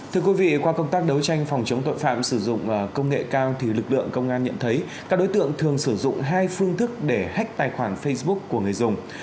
thưa quý vị qua công tác đấu tranh phòng chống tội phạm sử dụng công nghệ cao thì lực lượng công an nhận thấy các đối tượng thường sử dụng hai phương thức để hách tài khoản facebook của người dùng